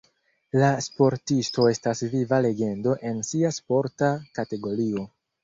La sportisto estas viva legendo en sia sporta kategorio.